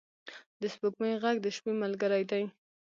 د سپوږمۍ ږغ د شپې ملګری دی.